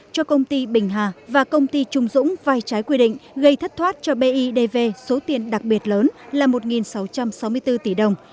cho công ty bình hà và công ty trung dũng vai trái quy định gây thất thoát cho bidv số tiền đặc biệt lớn là một sáu trăm sáu mươi bốn tỷ đồng